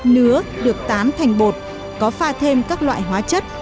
nứa được tán thành bột có pha thêm các loại hóa chất